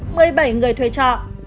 một mươi bảy người thuê trọ